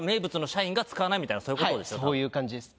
そういう感じです。